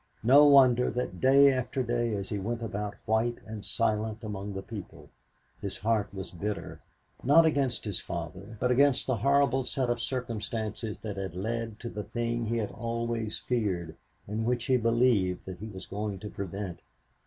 No wonder that day after day as he went about white and silent among the people, his heart was bitter, not against his father, but against the horrible set of circumstances that had led to the thing he had always feared and which he believed that he was going to prevent.